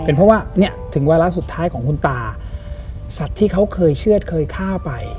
เพราะว่าเนี่ยถึงวาระสุดท้ายของคุณตาสัตว์ที่เขาเคยเชื่อดเคยฆ่าไป